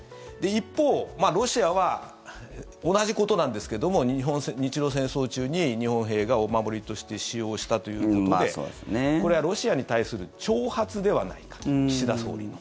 一方、ロシアは同じことなんですけども日露戦争中に日本兵がお守りとして使用したということでこれはロシアに対する挑発ではないかと、岸田総理の。